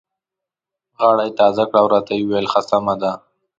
غاړه یې تازه کړه او راته یې وویل: ښه سمه ده.